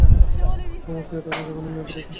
সমাপ্তিকে এড়ানো যাবে না, ম্যাভরিক।